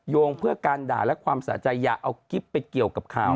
งงเพื่อการด่าและความสะใจอย่าเอากิ๊บไปเกี่ยวกับข่าว